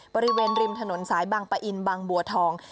บริเวณริมถนนสายบางปะอินบางบัวทอง